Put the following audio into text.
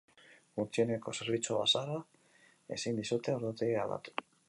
Gutxieneko zerbitzua bazara, ezin dizute ordutegia aldatu.